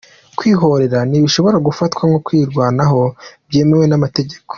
Kwihorera ntibishobora gufatwa nko kwirwanaho byemewe n’amategeko.